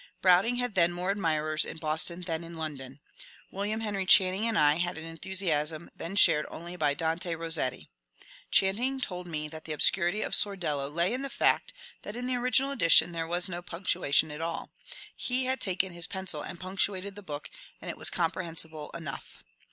Browning had then more admirers in Boston than in London. William Henry Channing and I had an enthusiasm then shared only by Dante Bossetti. Channing told me that the obscurity of ^^ Sordello^ lay in the fact that in the original edition there was no punc tuation at all : he had taken his pencil and punctuated the book and it was comprehensible enough.